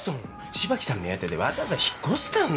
芝木さん目当てでわざわざ引っ越したの。